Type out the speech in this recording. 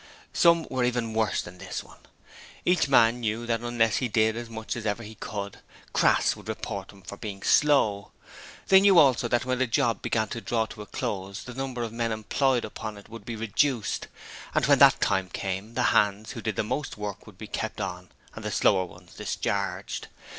Some were even worse than this one. Each man knew that unless he did as much as ever he could, Crass would report him for being slow. They knew also that when the job began to draw to a close the number of men employed upon it would be reduced, and when that time came the hands who did the most work would be kept on and the slower ones discharged.